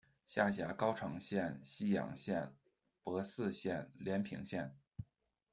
下辖高城县、昔阳县、柏肆县、廉平县。